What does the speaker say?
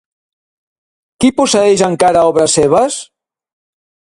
Qui posseeix encara obres seves?